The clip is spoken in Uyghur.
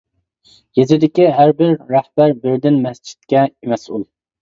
يېزىدىكى ھەربىر رەھبەر بىردىن مەسچىتكە مەسئۇل.